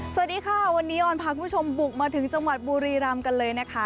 สวัสดีค่ะวันนี้ออนพาคุณผู้ชมบุกมาถึงจังหวัดบุรีรำกันเลยนะคะ